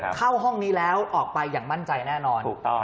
เข้าห้องนี้แล้วออกไปอย่างมั่นใจแน่นอน